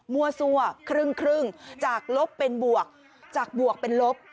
ซั่วครึ่งจากลบเป็นบวกจากบวกเป็นลบ